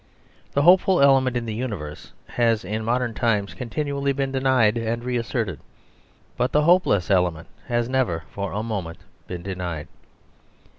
The hopeful element in the universe has in modern times continually been denied and reasserted; but the hopeless element has never for a moment been denied.